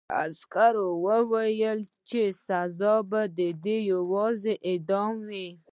عسکر وویل چې سزا به دې یوازې اعدام وي